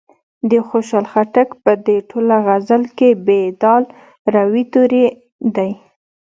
د خوشال خټک په دې ټوله غزل کې ب د روي توری دی.